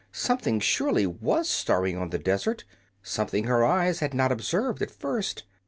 Something surely WAS stirring on the desert something her eyes had not observed at first.